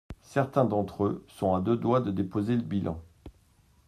Certains d’entre eux sont à deux doigts de déposer le bilan.